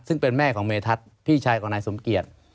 ซึ่งเป็นแม่ของเมทัศน์พี่ชายของนายสมเกียจ